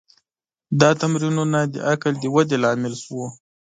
دا تمرینونه د عقل د ودې لامل شول.